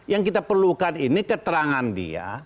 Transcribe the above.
yang kita perlukan ini keterangan dia